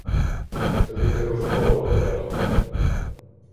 Тобі треба школи оглянути.